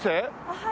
はい。